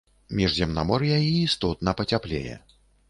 Міжземнамор'я і істотна пацяплее.